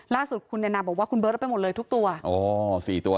แล้วมันกลายเป็นข่าว